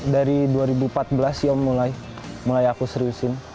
dari dua ribu empat belas siom mulai aku seriusin